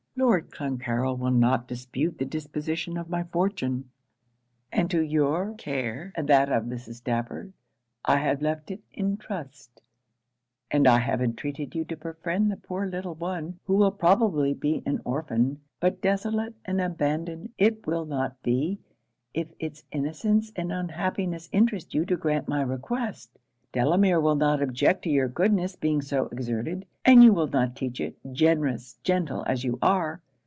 Lord Clancarryl will not dispute the disposition of my fortune; and to your care, and that of Mrs. Stafford, I have left it in trust, and I have entreated you to befriend the poor little one, who will probably be an orphan but desolate and abandoned it will not be, if it's innocence and unhappiness interest you to grant my request. Delamere will not object to your goodness being so exerted; and you will not teach it, generous, gentle as you are!